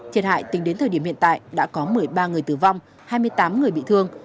thiệt hại tính đến thời điểm hiện tại đã có một mươi ba người tử vong hai mươi tám người bị thương